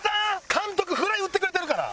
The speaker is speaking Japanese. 監督フライ打ってくれてるから！